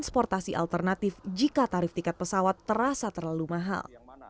transportasi alternatif jika tarif tiket pesawat terasa terlalu mahal